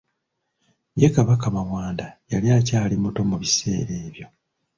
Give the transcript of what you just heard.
Ye Kabaka Mawanda yali akyali muto mu biseera ebyo.